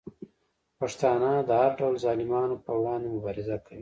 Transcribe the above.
پښتانه د هر ډول ظالمانو په وړاندې مبارزه کوي.